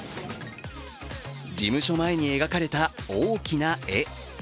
事務所前に描かれた大きな絵。